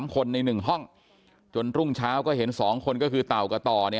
๓คนใน๑ห้องจนรุ่งเช้าก็เห็น๒คนก็คือเต่ากับต่อ